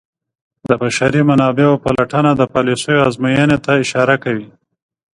د بشري منابعو پلټنه د پالیسیو ازموینې ته اشاره کوي.